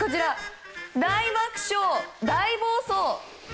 大爆笑、大暴走。